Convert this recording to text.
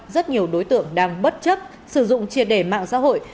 rất nhiều đối tượng đang bất chấp sử dụng triệt đề mạng xã hội